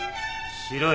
しろよ。